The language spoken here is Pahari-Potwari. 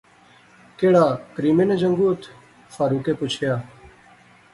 کیڑا کریمے نا جنگت؟ فاروقیں پچھیا